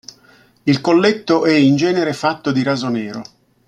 Il colletto è in genere fatto di raso nero.